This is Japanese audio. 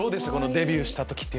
デビューした時は。